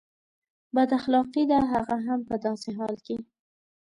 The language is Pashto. بد اخلاقي ده هغه هم په داسې حال کې.